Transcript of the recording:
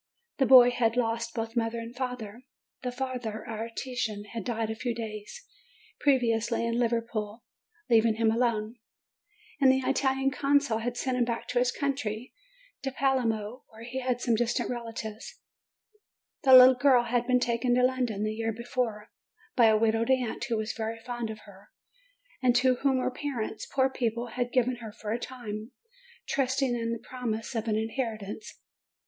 The boy had lost both father and mother. The father, an artisan, had died a few days previously in Liverpool, leaving him alone; and the Italian consul had sent him back to his country, to Palermo, where he had some distant relatives. THE SHIPWRECK 333 The little girl had been taken to London, the year before, by a widowed aunt, who was very fond of her, and to whom her parents poor people had given her for a time, trusting in the promise of an inheritance.